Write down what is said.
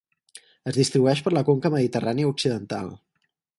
Es distribueix per la Conca Mediterrània occidental.